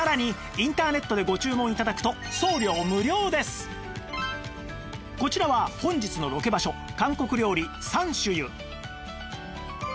さらにこちらは本日のロケ場所韓国料理山茱萸